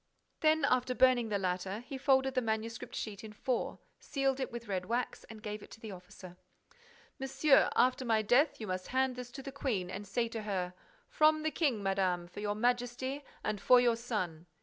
Then, after burning the latter, he folded the manuscript sheet in four, sealed it with red wax, and gave it to the officer. "Monsieur, after my death, you must hand this to the Queen and say to her, 'From the King, madame—for Your Majesty and for your son.